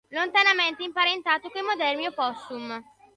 Lontanamente imparentato coi moderni opossum.